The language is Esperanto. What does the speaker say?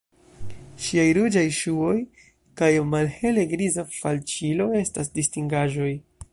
Ŝiaj ruĝaj ŝuoj kaj malhele-griza falĉilo estas distingaĵoj.